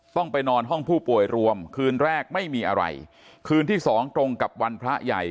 ต้องไปนอนห้องผู้ป่วยรวมคืนแรกไม่มีอะไรคืนที่สองตรงกับวันพระใหญ่